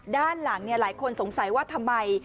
ด้านหลังหลายคนสงสัยว่าทำไม